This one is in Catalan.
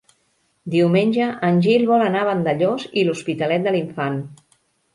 Diumenge en Gil vol anar a Vandellòs i l'Hospitalet de l'Infant.